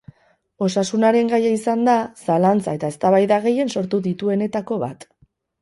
Osasunaren gaia izan da zalantza eta eztabaida gehien sortu dituenetako bat.